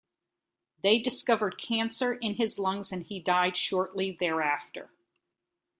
They discovered cancer in his lungs and he died shortly thereafter.